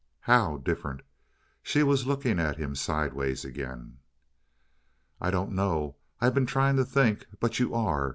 "How different?" She was looking at him sidewise again. "I don't know; I've been trying to think but you are.